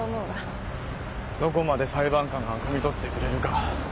どこまで裁判官がくみ取ってくれるか。